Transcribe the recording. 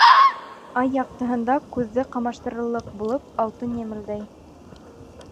Ай яҡтыһында күҙҙе ҡамаштырырлыҡ булып алтын емелдәй.